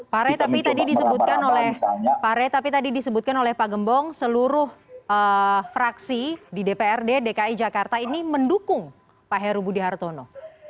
pare tapi tadi disebutkan oleh pak gembong seluruh fraksi di dprd dki jakarta ini mendukung pak heru budi hartono